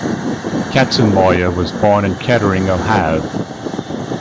Katzenmoyer was born in Kettering, Ohio.